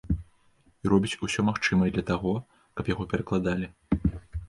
І робіць усё магчымае для таго, каб яго перакладалі.